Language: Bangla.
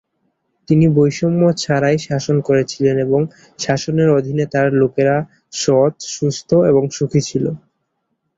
তিনি বৈষম্য ছাড়াই শাসন করেছিলেন, এবং তার শাসনের অধীনে তার লোকেরা সৎ, সুস্থ এবং সুখী ছিল।